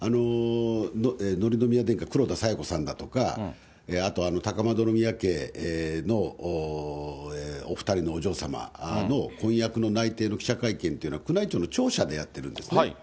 紀宮殿下、黒田清子さんだとか、あと高円宮家のお２人のお嬢様の婚約の内定の記者会見というのは宮内庁の庁舎でやってるんですね。